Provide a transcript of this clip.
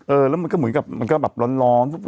แล้วมันก็เหมือนกับมันก็แบบร้อน